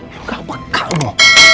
lo gak pekat lo